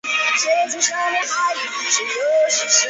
会稽郡余姚人。